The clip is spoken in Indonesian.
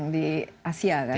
di asia kan